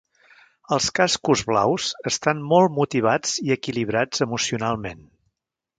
Els cascos blaus estan molt motivats i equilibrats emocionalment.